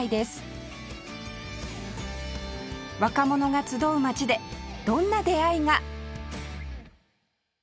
若者が集う街でどんな出会いが？